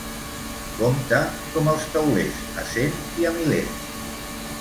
Compta com els teulers, a cent i a milers.